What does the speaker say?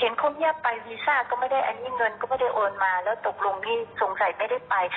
คนเงียบไปวีซ่าก็ไม่ได้อันนี้เงินก็ไม่ได้โอนมาแล้วตกลงนี่สงสัยไม่ได้ไป